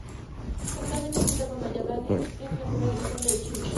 Actualmente milita por Magallanes de la Primera División B de Chile.